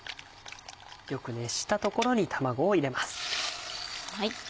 よく熱したところに卵を入れます。